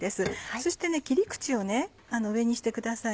そして切り口を上にしてください